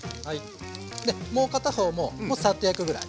でもう片方もサッと焼くぐらい。